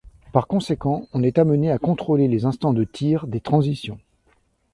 Par conséquent, on est amené à contrôler les instants de tir des transitions.